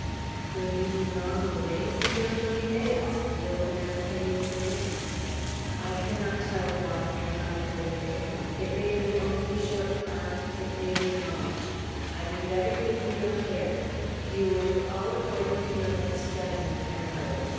"Will you be long away, Senor Felipe?" asked the old man, piteously. "I cannot tell, Juan," replied Felipe. "It may be only a short time; it may be long. I leave everything in your care. You will do all according to your best judgment, I know.